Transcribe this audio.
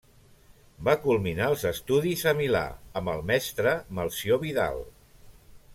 Va culminar els estudis a Milà amb el mestre Melcior Vidal.